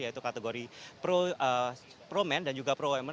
yaitu kategori pro men dan juga pro women